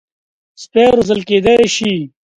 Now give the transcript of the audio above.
سپي روزل کېدای شي.